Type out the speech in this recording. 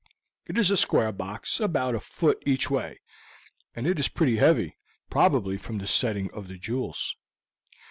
"It is a square box, about a foot each way; and it is pretty heavy, probably from the setting of the jewels.